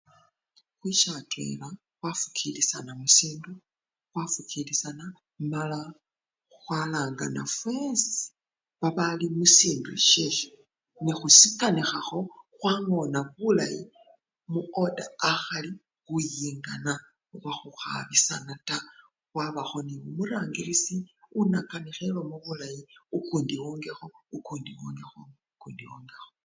Khwicha atwela khwafukilisyana musindu khwafukilisyana mala khwalangana fwesi babali musindu esyesyo nekhusikanikhakho khwangona bulayi mu oda akhali khuyingana oba khukhabisana taa khwaba nende omurangilisi onakanikha elomo bulayi okundi ongekho, okundi ongekho, okundi ongekho.